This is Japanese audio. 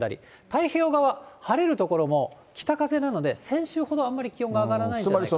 太平洋側、晴れる所も北風なので先週ほどあまり気温が上がらないんじゃないか。